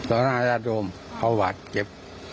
ต่อหน้าย่าโดมเขาวาดเจ็บ